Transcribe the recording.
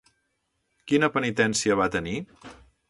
Quina penitència va tenir?